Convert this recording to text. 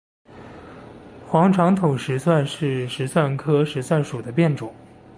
黄长筒石蒜是石蒜科石蒜属的变种。